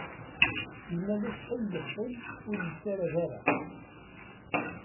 Imalas ay yeqqim ur yessared ara.